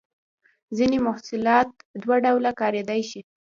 ځینې محصولات دوه ډوله کاریدای شي.